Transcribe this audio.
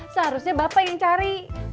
seharusnya bapak yang cari